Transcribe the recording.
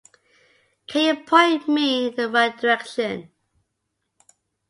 Can you point me in the right direction?